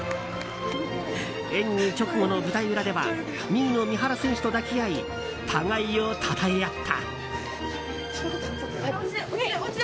演技直後の舞台裏では２位の三原選手と抱き合い互いをたたえ合った。